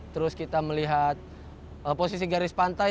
terus kita melihat posisi garis pantai